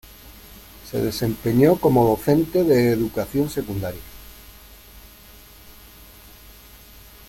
Se desempeñó como docente de educación secundaria.